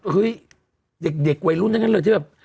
เฮ้ยเด็กวัยรุ่นทั้งนั้นเลยที่แบบ